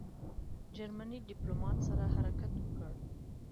جرمني ډیپلوماټ سره حرکت وکړ.